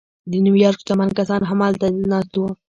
د نیویارک شتمن کسان هم هلته ناست وو